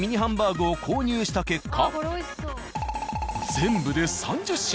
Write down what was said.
全部で３０品。